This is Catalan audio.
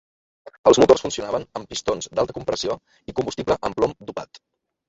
Els motors funcionaven amb pistons d'alta compressió i combustible amb plom "dopat".